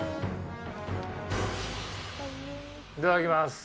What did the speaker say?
いただきます。